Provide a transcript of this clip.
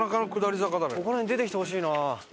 ここら辺出てきてほしいな。